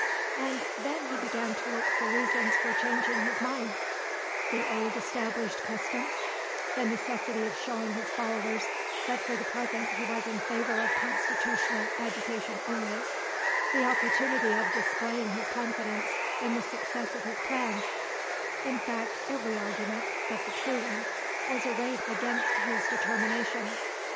And then he began to look for reasons for changing his mind: the old established custom; the necessity of showing his followers that for the present he was in favour of constitutional agitation only; the opportunity of displaying his confidence in the success of his plans; in fact, every argument, but the true one, was arrayed against his determination.